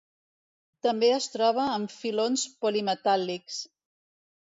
També es troba en filons polimetàl·lics.